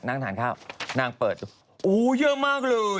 นั่งส่านข้าวนั่งเปิดเอาเยอะมากเลย